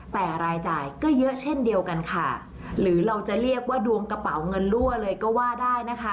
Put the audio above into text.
แต่รายจ่ายก็เยอะเช่นเดียวกันค่ะหรือเราจะเรียกว่าดวงกระเป๋าเงินรั่วเลยก็ว่าได้นะคะ